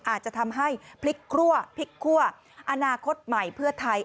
อาจจะทำให้พลิกครั่วพลิกคั่วอนาคตใหม่เพื่อไทย